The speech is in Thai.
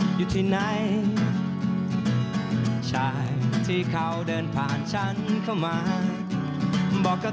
สนุนโดยอีซุสุมิวเอ็กซิทธิ์แห่งความสุข